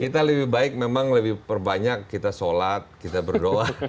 kita lebih baik memang lebih perbanyak kita sholat kita berdoa